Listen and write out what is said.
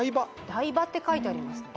「台場」って書いてありますね。